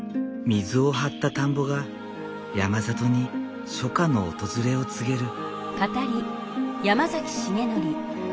水を張った田んぼが山里に初夏の訪れを告げる。